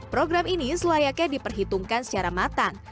program ini selayaknya diperhitungkan secara matang